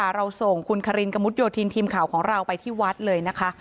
เราส่งคุณคารินกระมุดโยธินทีมข่าวของเราไปที่วัดเลยนะคะ